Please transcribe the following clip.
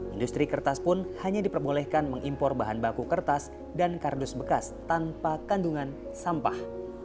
industri kertas pun hanya diperbolehkan mengimpor bahan baku kertas dan kardus bekas tanpa kandungan sampah